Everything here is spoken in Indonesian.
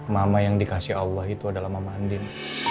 mama yang dikasih allah itu adalah mama andin